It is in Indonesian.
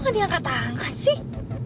gak ada yang kata angkat sih